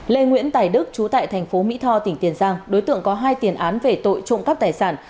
lê nguyễn tài đức chú tại thành phố mỹ tho tỉnh tiền giang đối tượng có hai tiền án về tội trộm cắp tài sản